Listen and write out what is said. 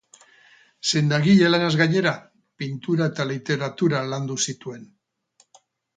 Sendagile-lanaz gainera, pintura eta literatura landu zituen.